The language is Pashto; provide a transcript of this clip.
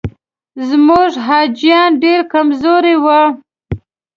زموږ حاجیان ډېر کمزوري وو.